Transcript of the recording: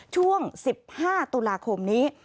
ช่วง๑๕ตุลาคมนี้